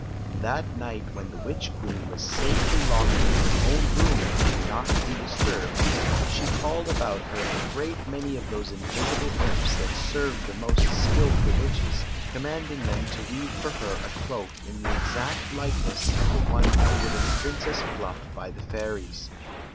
i86 Queen Zixi of Ix; or, the That night, when the witch queen was safely locked in her own room and could not be disturbed, she called about her a great many of those invisible imps that serve the most skilful witches, commanding them to weave for her a cloak in the exact likeness of the one given Princess Fluff by the fairies.